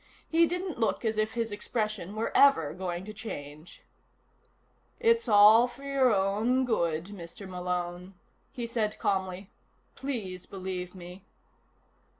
He didn't look as if his expression were ever going to change. "It's all for your own good, Mr. Malone," he said calmly. "Please believe me."